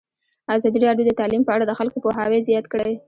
ازادي راډیو د تعلیم په اړه د خلکو پوهاوی زیات کړی.